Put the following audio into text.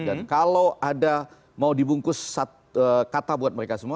dan kalau ada mau dibungkus kata buat mereka semua